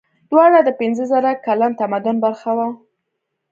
دواړه د پنځه زره کلن تمدن برخه وو.